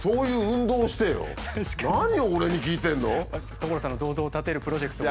所さんの銅像を建てるプロジェクトを。